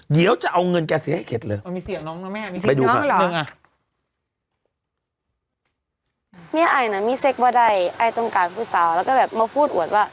เดี๋ยวจะเอาเงินแกเสียให้เข็ดเลย